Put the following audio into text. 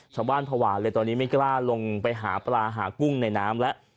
ภาวะเลยตอนนี้ไม่กล้าลงไปหาปลาหากุ้งในน้ำแล้ว